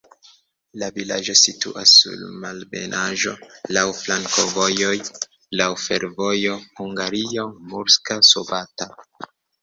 La vilaĝo situas sur malebenaĵo, laŭ flankovojoj, laŭ fervojo Hungario-Murska Sobota.